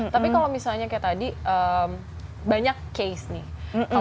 tapi kalau misalnya kayak tadi banyak case nih